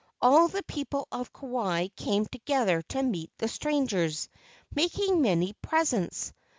All the people of Kauai came together to meet the strangers, making many presents.